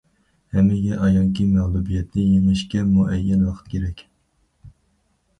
ھەممىگە ئايانكى، مەغلۇبىيەتنى يېڭىشكە مۇئەييەن ۋاقىت كېرەك.